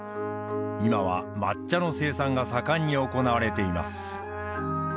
今は抹茶の生産が盛んに行われています。